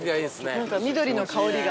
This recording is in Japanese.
なんか緑の香りが。